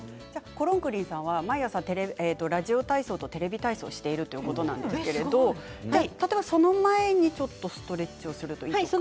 毎朝ラジオ体操とテレビ体操をしているということですが例えば、その前にちょっとストレッチをするといいですか？